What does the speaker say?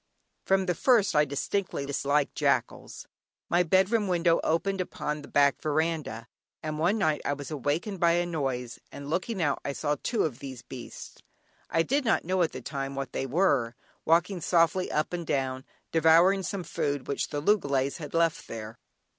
From the first I distinctly disliked jackals. My bedroom window opened upon the back veranda, and one night I was awakened by a noise, and looking out I saw two of these beasts (I did not know at the time what they were) walking softly up and down devouring some food which the loogalays had left there.